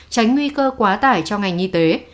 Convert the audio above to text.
tránh nguy cơ quá tải cho ngành y tế